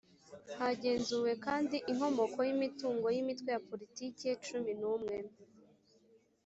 hagenzuwe kandi inkomoko y’imitungo y’imitwe ya politiki cumi n’umwe